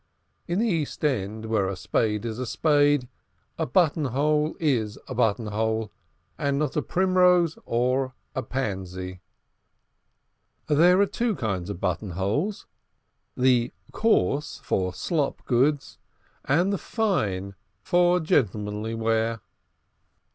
In the East End, where a spade is a spade, a buttonhole is a buttonhole, and not a primrose or a pansy. There are two kinds of buttonhole the coarse for slop goods and the fine for gentlemanly wear.